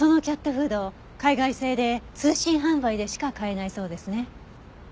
フード海外製で通信販売でしか買えないそうですね。